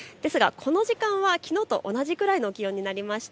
この時間はきのうと同じくらいの気温になりました。